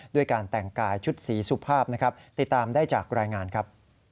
ด้วยการแต่งกายชุดสีสุภาพนะครับติดตามได้จากรายงานครับ